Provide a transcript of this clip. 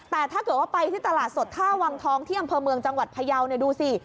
แต่ถ้าเกิดว่าไปที่ตลาดสดท่าวังทองที่อำเภอเมืองจังหวัดพยาวเนี่ยดูสิ